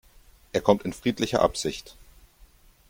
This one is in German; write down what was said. Er kommt in friedlicher Absicht.